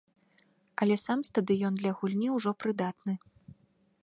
Але сам стадыён для гульні ўжо прыдатны.